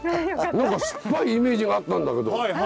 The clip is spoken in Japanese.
何か酸っぱいイメージがあったんだけど。